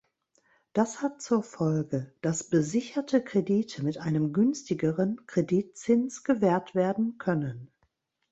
Das hat zur Folge, dass besicherte Kredite mit einem günstigeren Kreditzins gewährt werden können.